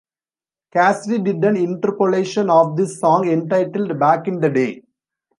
Cassidy did an interpolation of this song entitled "Back in the day".